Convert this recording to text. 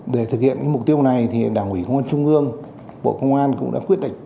để thực hiện mục tiêu này thì đảng ủy công an trung ương bộ công an cũng đã quyết định